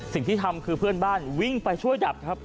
สิ่งที่ทำคือเพื่อนบ้านวิ่งไปช่วยดับครับ